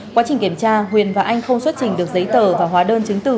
quá trình kiểm tra huyền và anh không xuất trình được giấy tờ và hóa đơn chứng từ